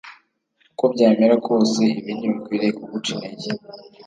Uko byamera kose ibi ntibikwiriye kuguca intege